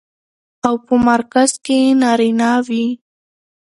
او په مرکز کې يې نارينه وي.